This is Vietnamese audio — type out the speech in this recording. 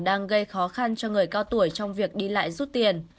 đang gây khó khăn cho người cao tuổi trong việc đi lại rút tiền